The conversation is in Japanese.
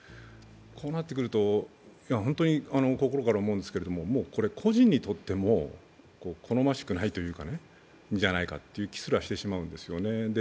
こうなってくると本当に心から思うんですけれども故人にとっても好ましくないんじゃないかという気すらしてしまうんですね。